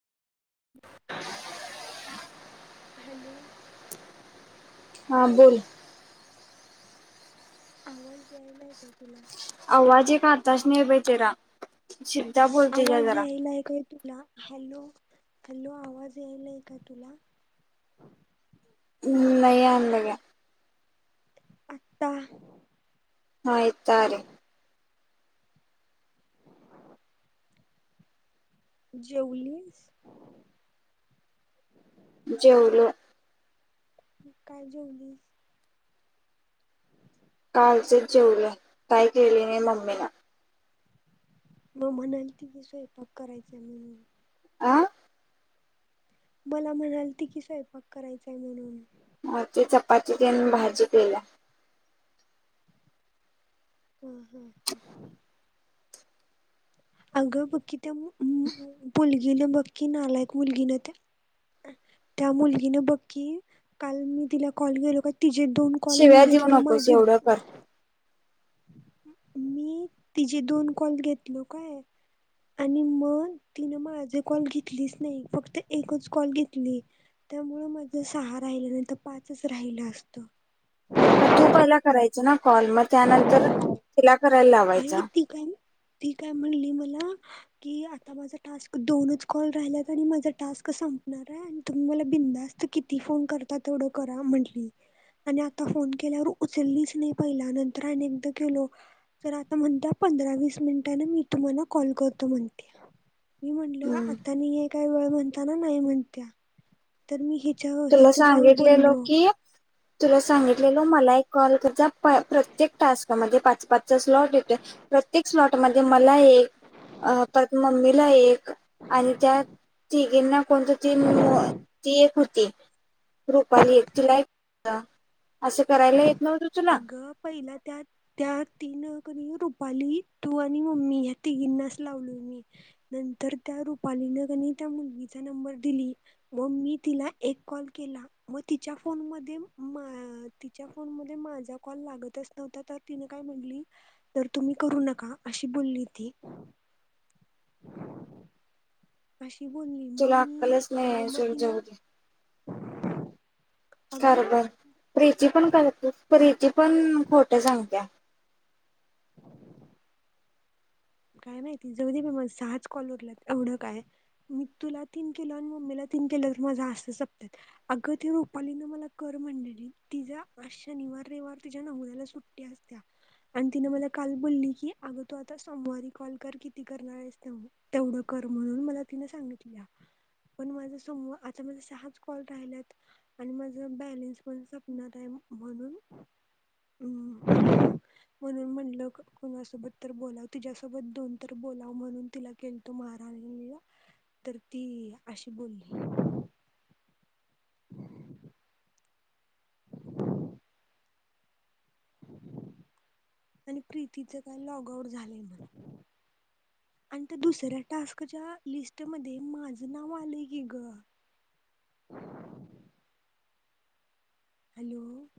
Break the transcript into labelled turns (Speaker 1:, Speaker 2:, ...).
Speaker 1: [unintelligible]
Speaker 2: Hello.
Speaker 1: हां बोल.
Speaker 2: आवाज यायलाय का तुला.
Speaker 1: आवाज एक आताच नाही बाई तेरा. शिधा बोलते जा
Speaker 2: आवाज
Speaker 1: जरा..
Speaker 2: यायलाय काय तुला हॅलो हॅलो आवाज यालय का तुला.
Speaker 1: हम्म नाही आणे लग्या.
Speaker 2: आता.
Speaker 1: हा येत अरे
Speaker 2: जेवलीस.
Speaker 1: जेवलो.
Speaker 2: काय जेवलीस.
Speaker 1: कालचेच जेवलो काय केली नाही मम्मीन.
Speaker 2: मग म्हणालती की स्वयंपाक करायचा हाय म्हणून.
Speaker 1: आं.
Speaker 2: मला म्हणालती की स्वयंपाक करायचाय म्हणून.
Speaker 1: आज ते चपाती तेन भाजी केल्या.
Speaker 2: हम्म, हम्म, हम्. अग बकी त्या.
Speaker 1: [unintelligible]
Speaker 2: मुलगी न बकी नायक मुलगी, त्या मुलगीन बकी काल मी तिला कॉल केलो काय. तिजे दोन कॉल मी
Speaker 1: शिव्या देऊ
Speaker 2: घेतलो
Speaker 1: नकोस
Speaker 2: माझे.
Speaker 1: एवढं कर
Speaker 2: मी तिचे दोन कॉल घेतलो. काय आणि मग तिनं माझे कॉल घेतलीच नाही. फक्त एकच कॉल घेतली, त्यामुळे माझे सहा राहिलं नाही तर पाचच राहिलं असत.
Speaker 1: मग तू पहिला करायच ना कॉल मग त्यानंतर तिला. करायला
Speaker 2: आणि
Speaker 1: लावायचा.
Speaker 2: ती काय ती काय म्हणली मला कि आता माझा टास्क दोनच कॉल राहिल्यात आणि माझा टास्क संपणार हाय, आणि तुम्ही मला बिंदास्त किती फोन करता तेवढं करा म्हटली आणि आता फोन केल्यावर उचललीच नाही पहिला नंतर अनेकदा केलो. तर आता म्हणता पंधरा वीस मिनिटांने मी तुम्हाला कॉल करतो म्हणते. मी म्हणलं
Speaker 1: हम्म
Speaker 2: आता मी एक. नाही का वेळ म्हणताना नाही म्हत्या तर मी हित.
Speaker 1: तुला सांगितलेलो की तुला सांगितलेल मला एक कॉल करजा प्रत्येक टास्क मध्ये पाच पाचचा स्लॉट येत प्रत्येक स्लॉट मध्ये मला एक, परत मम्मीला एक. आणि त्या तिघीना कोणत तीन ती एक होती. रुपाली एक तिला एकदा.
Speaker 2: अग पहिला त्या त्या तीन. कनी रुपाली तू आणि मम्मी या तिघींनाच लावले मी नंतर त्या रुपालीने कनी त्या मुलगीचा नंबर दिली, व मी तिला एक कॉल केला, व तिच्या फोन मध्ये मा तिच्या फोन मध्ये माझा कॉल लागतच नव्हता तर तिने काय म्हटली तर तुम्ही करू नका अशी बोलली ती. [inaudible] अशी. बोलली मग
Speaker 1: तुला
Speaker 2: मी
Speaker 1: अक्कलच
Speaker 2: अ
Speaker 1: नाही
Speaker 2: मग
Speaker 1: सोड
Speaker 2: तीन.
Speaker 1: खर बर प्रिची पण करत परिची. पण खोट सांगत्या.
Speaker 2: काय नाही ति जाऊ दे बाबा सहाच कॉल उरल्यात एवढं काय मी तुला तीन केल आणि मम्मीला तीन केलं तर माझा असं सपत अगं त रुपालीन मला कर म्हणलेली तिच्या आ शनिवार रविवार तिच्या नवऱ्याला सुट्टी असत्या आणि तिनं मला काल बोलली की अग तू आता सोमवारी कॉल कर किती करणार आहेस तेवढं कर म्हणून मला तिनं सांगितल्या पण माझ सम आता माझ सहाच कॉल राहिलेत आणि माझ बॅलेन्स पण सपणार आहे म्हणून म्हणून म्हणलं कोणासोबत तर बोला तिच्या्यासोबत दोन तर बोलावं म्हणून तिला केलतो महारानीला तर ती अशी बोलली. हम् [inaudible] [inaudible] आणि प्रीतीचं काय लॉग आउट झालंय म्हण. आणि त्या दुसऱ्या टास्कच्या लिस्ट मध्ये माझं नाव आलं की ग. ह. हॅलो,